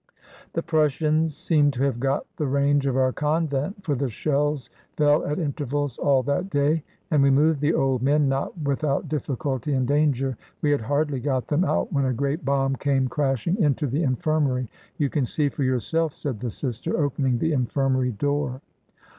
The Prussians seemed to have got the range of our convent, for the shells fell at intervals all that day, and we moved the old men, not with out difficulty and danger. We had hardly got them out when a great bomb came crashing into the in firmary. You can see for yourself," said the sister, opening the infirmary door.